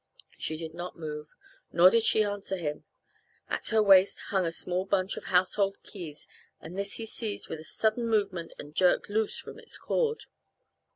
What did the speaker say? She did not move, nor did she answer him. At her waist hung a small bunch of household keys and this he seized with a sudden movement and jerked loose from its cord.